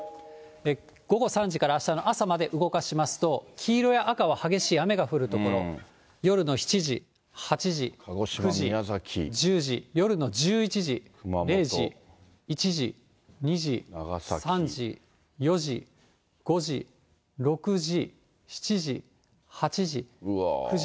午後３時からあしたの朝まで動かしますと、黄色や赤は激しい雨が降る所、夜の７時、８時、９時、１０時、夜の１１時、０時、１時、２時、３時、４時、５時、６時、７時、８時、９時。